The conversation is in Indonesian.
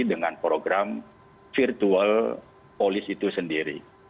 dengan program virtual polis itu sendiri